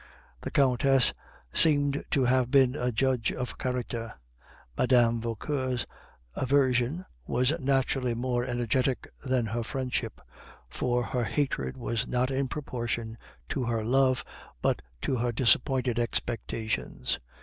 The Countess seemed to have been a judge of character. Mme. Vauquer's aversion was naturally more energetic than her friendship, for her hatred was not in proportion to her love, but to her disappointed expectations.